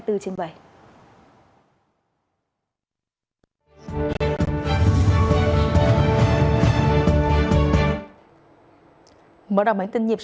mở đầu bản tin nhịp sóng hai mươi bốn trên bảy ngày hôm nay sẽ là những tin tức về an ninh trật tự